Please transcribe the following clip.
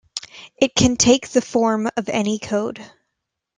It can take the form of any code.